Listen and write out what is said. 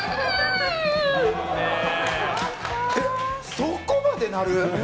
そこまでなる？